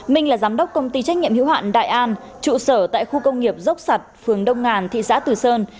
minh là giám đốc công ty trách nhiệm hiệu hoạn đại an trụ sở tại khu công nghiệp dốc sặt phường đông ngàn thị xã từ sơn